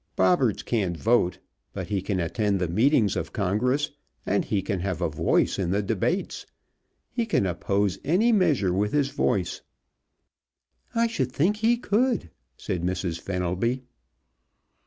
Bobberts can't vote, but he can attend the meetings of congress and he can have a voice in the debates. He can oppose any measure with his voice " "I should think he could!" said Mrs. Fenelby.